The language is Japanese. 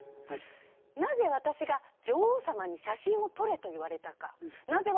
なぜわたしが女王様に「写真を撮れ」と言われたかなぜ